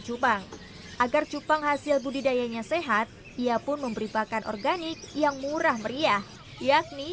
cupang agar cupang hasil budidayanya sehat ia pun memberi pakan organik yang murah meriah yakni